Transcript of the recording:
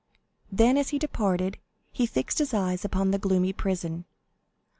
Then, as he departed, he fixed his eyes upon the gloomy prison.